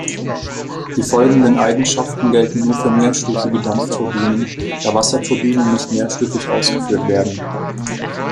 Die folgenden Eigenschaften gelten nur für mehrstufige Dampfturbinen, da Wasserturbinen nicht mehrstufig ausgeführt werden.